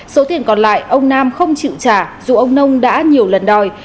số tiền còn lại ông nam không chịu trả dù ông nông đã nhiều lần đòi